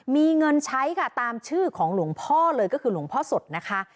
มีเงินใช้ค่ะตามชื่อของหลวงพ่อเลยก็คือหลวงพ่อสดนะคะ